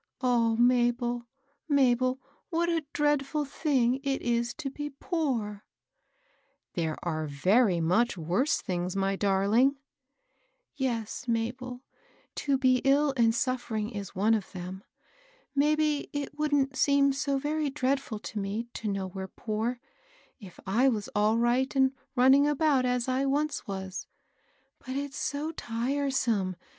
O Mabel, Mabel ! what a dreadful thing it is to be poor I "" There are very much worse things, my dar ling." " Yes, Mabel ; to be ill and suffering is one of them. Maybe it wouldn't seem so very dreadful to me to know we're poor, if I was all right and running about, as I once was. But it's so tiresome 14 210 MABBL ROSS.